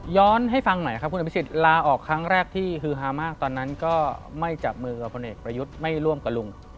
ให้ฟังหน่อยครับคุณอภิษฎลาออกครั้งแรกที่ฮือฮามากตอนนั้นก็ไม่จับมือกับพลเอกประยุทธ์ไม่ร่วมกับลุง